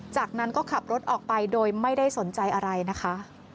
จากนั้นก็ขับรถออกไปโดยไม่ได้สนใจอะไรนะคะ